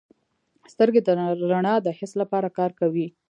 سترګې د رڼا د حس لپاره کار کوي.